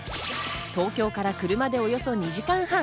東京から車でおよそ２時間半。